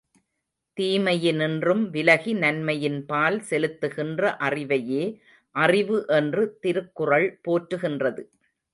தீமையினின்றும் விலகி நன்மையின்பால் செலுத்துகின்ற அறிவையே அறிவு என்று திருக்குறள் போற்றுகின்றது.